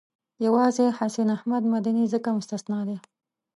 یوازې حسین احمد مدني ځکه مستثنی دی.